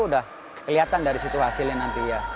udah kelihatan dari situ hasilnya nanti ya